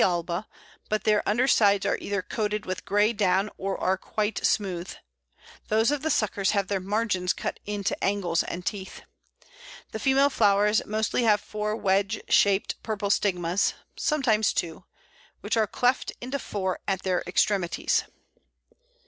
alba_, but their under sides are either coated with grey down or are quite smooth; those of the suckers have their margins cut into angles and teeth. The female flowers mostly have four wedge shaped purple stigmas (sometimes two), which are cleft into four at their extremities. [Illustration: Aspen.